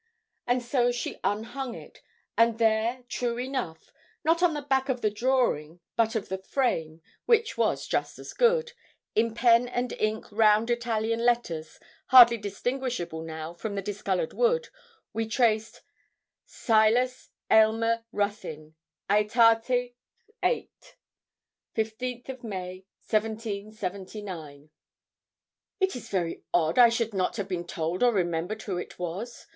And so she unhung it, and there, true enough, not on the back of the drawing, but of the frame, which was just as good, in pen and ink round Italian letters, hardly distinguishable now from the discoloured wood, we traced 'Silas Aylmer Ruthyn, AEtate viii. 15 May, 1779.' 'It is very odd I should not have been told or remembered who it was.